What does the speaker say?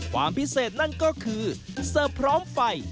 ความพิเศษนั่นก็คือเสิร์ฟพร้อมไฟ